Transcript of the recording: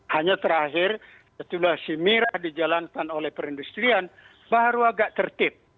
hanya terakhir setelah si mira dijalankan oleh perindustrian baru agak tertib